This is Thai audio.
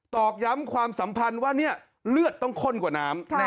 อกย้ำความสัมพันธ์ว่าเลือดต้องข้นกว่าน้ำ